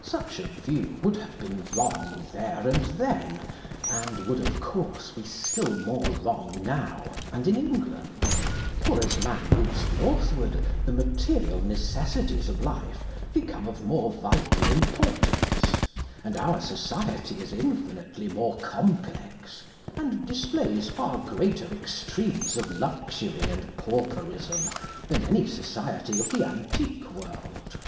Such a view would have been wrong there and then, and would, of course, be still more wrong now and in England; for as man moves northward the material necessities of life become of more vital importance, and our society is infinitely more complex, and displays far greater extremes of luxury and pauperism than any society of the antique world.